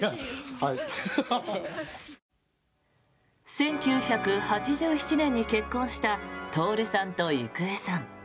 １９８７年に結婚した徹さんと郁恵さん。